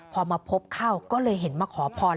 พอมาพบเข้าก็เลยเห็นมาขอพร